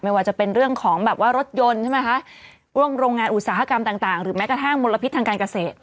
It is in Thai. ว่าจะเป็นเรื่องของแบบว่ารถยนต์ใช่ไหมคะร่วมโรงงานอุตสาหกรรมต่างหรือแม้กระทั่งมลพิษทางการเกษตร